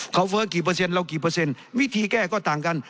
เขาเฟ้อกี่เปอร์เซ็นเรากี่เปอร์เซ็นต์วิธีแก้ก็ต่างกัน